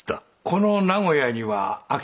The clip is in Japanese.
この名古屋には商いで？